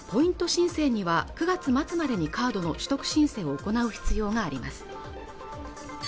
申請には９月末までにカードの取得申請を行う必要があります